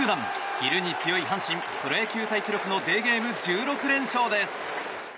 昼の強い阪神プロ野球タイ記録のデーゲーム１６連勝です。